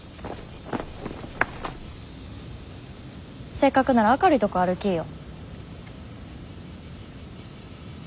せっかくなら明るいとこ歩きーよ。